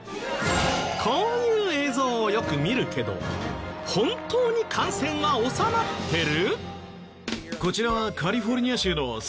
こういう映像をよく見るけど本当に感染は収まってる？